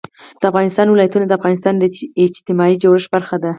د افغانستان ولايتونه د افغانستان د اجتماعي جوړښت برخه ده.